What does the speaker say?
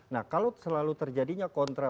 nah kalau selalu terjadinya kontra